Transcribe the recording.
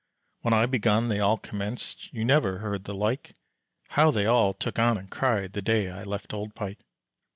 When I begun they all commenced, You never heard the like, How they all took on and cried The day I left old Pike.